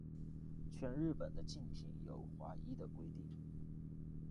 全日本的竞艇有划一的规定。